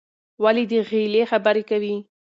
ولې د غېلې خبرې کوې؟